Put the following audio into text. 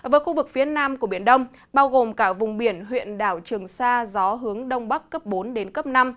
với khu vực phía nam của biển đông bao gồm cả vùng biển huyện đảo trường sa gió hướng đông bắc cấp bốn đến cấp năm